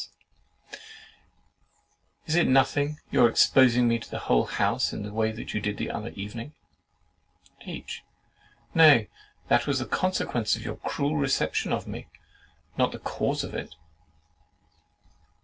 S. "Is it nothing, your exposing me to the whole house in the way you did the other evening?" H. "Nay, that was the consequence of your cruel reception of me, not the cause of it.